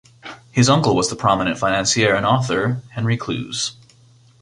His uncle was the prominent financier and author Henry Clews.